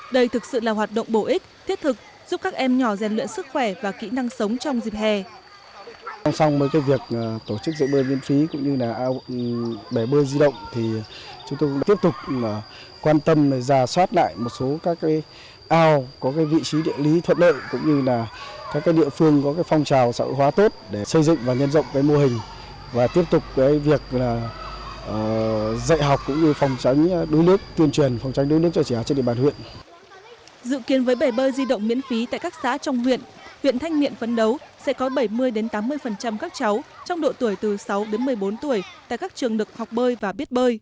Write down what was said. đây thực sự là hoạt động bổ ích thiết thực giúp các em nhỏ gian luyện sức khỏe và kỹ năng sống trong dịp hè